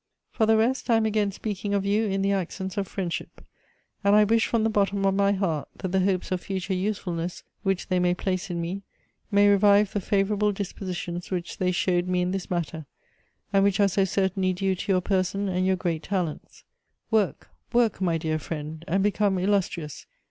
"For the rest, I am again speaking of you in the accents of friendship, and I wish from the bottom of my heart that the hopes of future usefulness which they may place in me may revive the favourable dispositions which they showed me in this matter, and which are so certainly due to your person and your great talents. Work, work, my dear friend, and become illustrious.